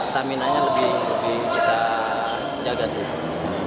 staminanya lebih kita jaga sih